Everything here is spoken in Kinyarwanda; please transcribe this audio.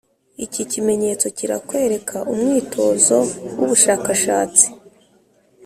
iki kimenyetso kirakwereka umwitozo w’ubushakashatsi